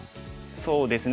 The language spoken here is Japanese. そうですね